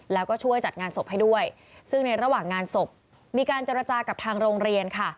แล้วก็ช่วยจัดงานศพให้ด้วยซึ่งในระหว่างงานศพมีการเจรจากับทางโรงเรียนค่ะ